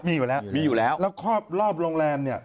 มีอยู่แล้วแล้วครอบรอบโรงแรมเนี่ย